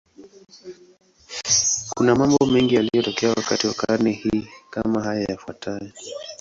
Kuna mambo mengi yaliyotokea wakati wa karne hii, kama haya yafuatayo.